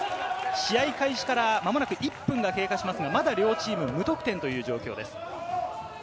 試合開始からまもなく１分が経過しますが、まだ無得点という状況です。